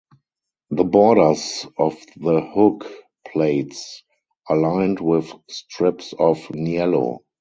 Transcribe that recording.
The borders of the hook plates are lined with strips of niello.